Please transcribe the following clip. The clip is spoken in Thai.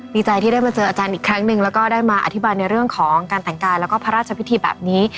ดีใจที่ได้มาเจออาจารย์อีกครั้งหนึ่งแล้วก็ได้มาอธิบายในเรื่องของการแต่งกายแล้วก็พระราชพิธีแบบนี้